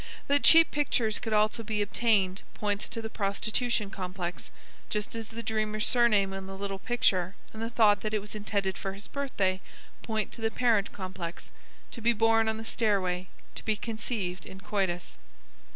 That cheap pictures could also be obtained points to the prostitution complex, just as the dreamer's surname on the little picture and the thought that it was intended for his birthday, point to the parent complex (to be born on the stairway to be conceived in coitus).